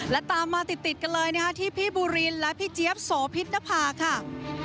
และตามมาติดกันเลยนะคะที่พี่บูรินและพี่เจี๊ยบโสพิษนภาค่ะ